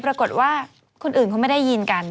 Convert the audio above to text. ปรากฏว่าคนอื่นเขาไม่ได้ยินกัน